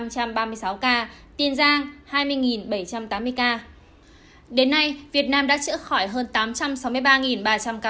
trong số các ca đang điều trị có đến gần bốn ca nặng cao hơn so với vài ngày trước đây